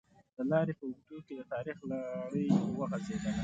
د لارې په اوږدو کې د تاریخ لړۍ وغزېدله.